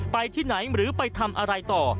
ไปที่ไหนหรือไปทำอะไรต่อ